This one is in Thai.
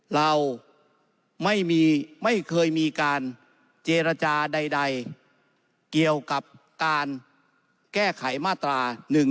เราไม่เคยมีการเจรจาใดเกี่ยวกับการแก้ไขมาตรา๑๑๒